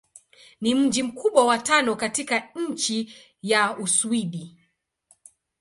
Ni mji mkubwa wa tano katika nchi wa Uswidi.